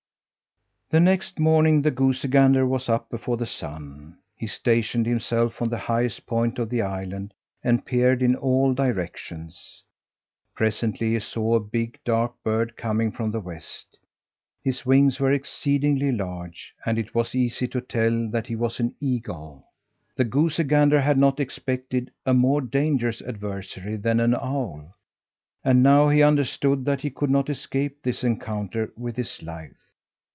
The next morning the goosey gander was up before the sun. He stationed himself on the highest point of the island and peered in all directions. Presently he saw a big, dark bird coming from the west. His wings were exceedingly large, and it was easy to tell that he was an eagle. The goosey gander had not expected a more dangerous adversary than an owl, and how he understood that he could not escape this encounter with his life.